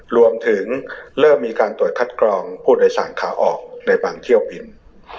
รวมถึงเริ่มมีการตรวจคัดกรองผู้โดยสารขาออกในบางเที่ยวบิน